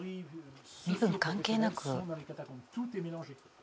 身分関係なく。